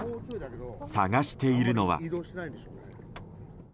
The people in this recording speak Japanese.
探しているのは。